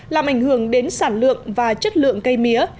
làm ảnh hưởng đến sản lượng và chất lượng cây mía